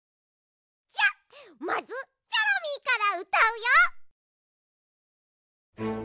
じゃまずチョロミーからうたうよ。